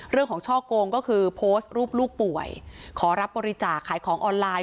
ช่อโกงก็คือโพสต์รูปลูกป่วยขอรับบริจาคขายของออนไลน์